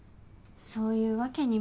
そう言うわけにも。